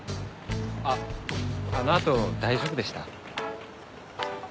あっあの後大丈夫でした？